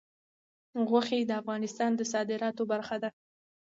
غوښې د افغانستان د صادراتو برخه ده.